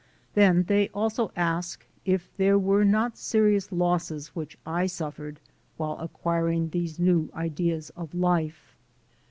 Then they also ask if there were not serious losses which I suffered while acquiring these new ideas of life.